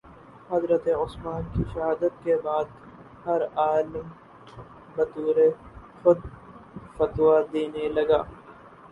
حضرت عثمان کی شہادت کے بعد ہر عالم بطورِ خود فتویٰ دینے لگا